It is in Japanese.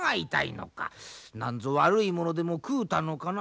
なんぞ悪い物でも食うたのかな？